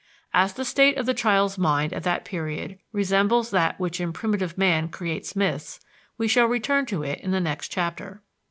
As the state of the child's mind at that period resembles that which in primitive man creates myths, we shall return to it in the next chapter.